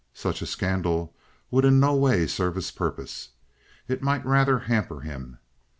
Such a scandal would in no way serve his purpose. It might rather hamper him.